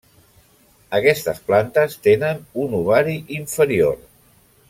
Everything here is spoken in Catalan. Aquestes plantes tenen un ovari inferior.